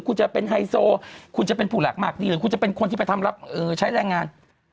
คุณจะเป็นไฮโซคุณจะเป็นผู้หลักมากดีหรือคุณจะเป็นคนที่ไปทำรับใช้แรงงาน